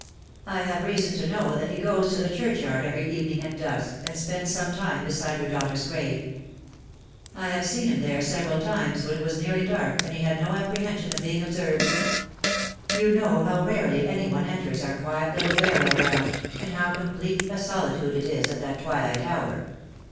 " I have reason to know that he goes to the churchyard every evening at dusk, and spends some time beside your daughter's grave. I have seen him there several times when it was nearly dark, and he had no apprehension of being observed. You know how rarely any one enters our quiet little burial ground, and how complete a solitude it is at that twilight hour.